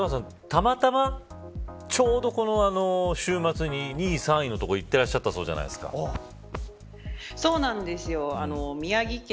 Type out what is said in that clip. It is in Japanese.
たまたまちょうど、この週末に２位、３位の所行ってらっしゃたそうじゃそうなんですよ。